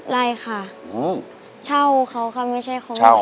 ๓๐ไร่ค่ะเข้าเขาไม่ใช่ของมันเอง